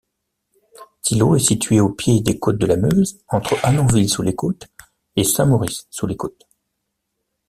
Thillot est située au pied des Côtes de la Meuse, entre Hannonville-sous-les-Côtes et Saint-Maurice-sous-les-Côtes.